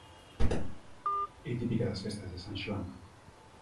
É típica das festas de san Xoán.